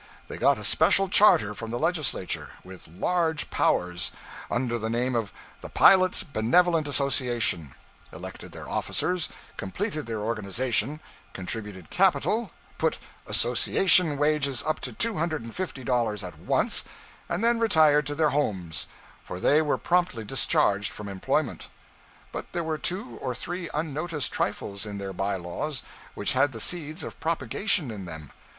They got a special charter from the legislature, with large powers, under the name of the Pilots' Benevolent Association; elected their officers, completed their organization, contributed capital, put 'association' wages up to two hundred and fifty dollars at once and then retired to their homes, for they were promptly discharged from employment. But there were two or three unnoticed trifles in their by laws which had the seeds of propagation in them.